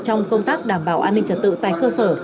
trong công tác đảm bảo an ninh trật tự tại cơ sở